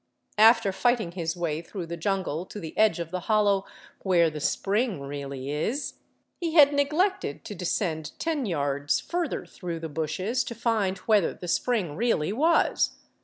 After fighting his way through the jungle to the edge 468 A FORGOTTEN CITY OF THE ANDES of the hollow " where the spring really is," he had neglected to de scend ten yards further through the bushes to find whether the spring really was.